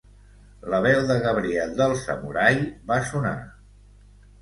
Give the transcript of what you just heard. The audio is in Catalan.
La veu de Gabriel del Samurai va sonar.